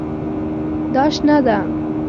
دا شنه ده